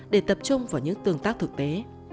để tập trung vào những tương tác thực tế